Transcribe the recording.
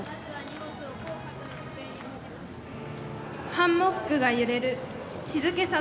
「ハンモックが揺れる静けさが怖い」。